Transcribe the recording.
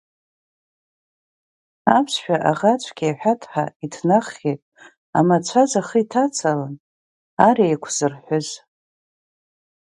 Аԥсшәа аӷа цәгьа иҳәаҭҳа ихнаххьеит, амацәаз ахы иҭацалан, ар еик әазырҳәыз.